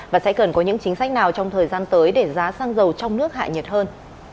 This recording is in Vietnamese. và sẽ cần có những chính sách nào trong thời gian tới để giá xăng dầu trong nước hạ nhiệt hơn